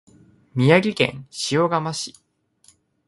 宮城県塩竈市